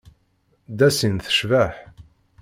Dassin tecbeḥ.